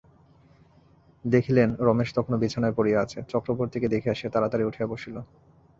দেখিলেন, রমেশ তখনো বিছানায় পড়িয়া আছে, চক্রবর্তীকে দেখিয়া সে তাড়াতাড়ি উঠিয়া বসিল।